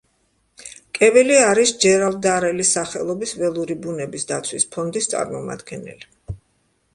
კევილი არის ჯერალდ დარელის სახელობის ველური ბუნების დაცვის ფონდის წარმომადგენელი.